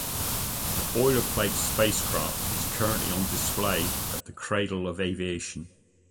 The boilerplate spacecraft is currently on display at the Cradle of Aviation.